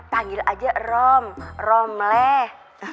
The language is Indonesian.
panggil aja rom romleh